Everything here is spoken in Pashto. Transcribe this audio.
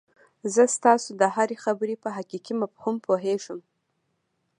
زه ستاسو د هرې خبرې په حقيقي مفهوم پوهېږم.